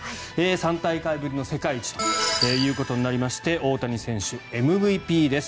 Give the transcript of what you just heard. ３大会ぶりの世界一ということになりまして大谷選手がＭＶＰです。